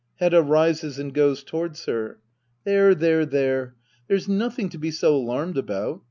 Hedda. [Rises and goes towards her,] There there there ! There's nothing to be so alarmed about.